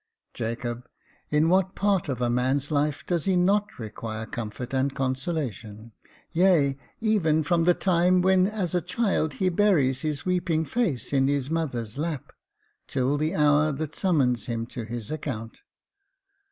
" Jacob, in what part of a man's life does he not require comfort and consolation ; yea, even from the time when, as a child, he buries his weeping face in his mother's lap till the hour that summons him to his account